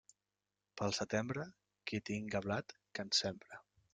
Pel setembre, qui tinga blat, que en sembre.